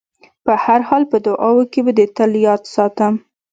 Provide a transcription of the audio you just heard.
په هر حال په دعاوو کې به دې تل یاد ساتم.